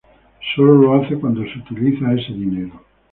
Solo lo hace cuando se utiliza ese dinero.